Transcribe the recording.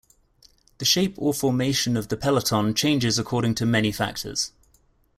The shape or formation of the peloton changes according to many factors.